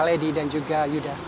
lady dan juga yuda